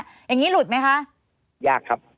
อย่างนี้หลุดไหมคะ